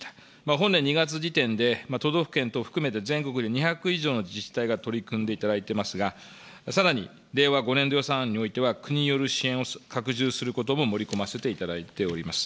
本年２月時点で、都道府県等含めて全国で２００以上の自治体が取り組んでいただいてますが、さらに令和５年度予算においては、国による支援を拡充することも盛り込ませていただいております。